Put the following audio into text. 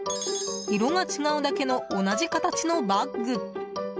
色が違うだけの同じ形のバッグ。